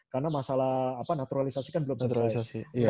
karena masalah naturalisasi kan belum sederhana